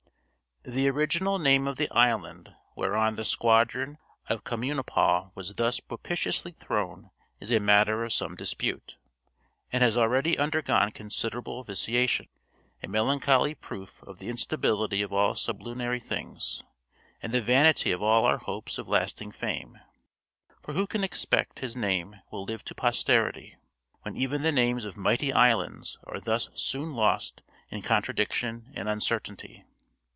The original name of the island whereon the squadron of Communipaw was thus propitiously thrown is a matter of some dispute, and has already undergone considerable vitiation a melancholy proof of the instability of all sublunary things, and the vanity of all our hopes of lasting fame; for who can expect his name will live to posterity, when even the names of mighty islands are thus soon lost in contradiction and uncertainty!